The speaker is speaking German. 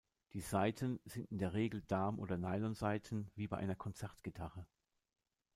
Die Saiten sind in der Regel Darm- oder Nylonsaiten wie bei einer Konzertgitarre.